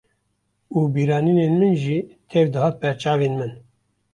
û bîranînên min jî tev dihat ber çavên min